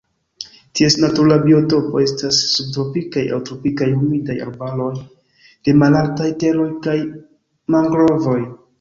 Ties natura biotopo estas subtropikaj aŭ tropikaj humidaj arbaroj de malaltaj teroj kaj mangrovoj.